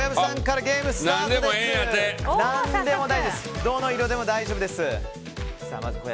どの色でも大丈夫です。